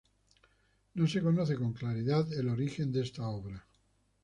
No se conoce con claridad el origen de esta obra.